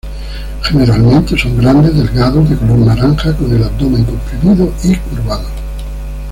Generalmente son grandes, delgados, de color naranja con el abdomen comprimido y curvado.